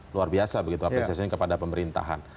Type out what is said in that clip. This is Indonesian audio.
luar biasa begitu apresiasi ini kepada pemerintahan